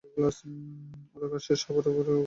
ওর কাজ শেষ হবার আগেই ওকে শেষ করে ফেলতে হবে।